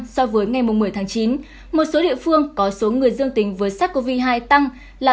so với ngày một mươi tháng chín một số địa phương có số người dương tính với sars cov hai tăng là